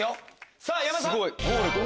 さぁ山田さん。